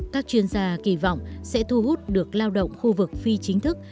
các chuyên gia kỳ vọng sẽ thu hút được lao động khu vực phi chính thức